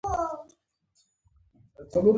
لوړه سیالي کیفیت لوړوي.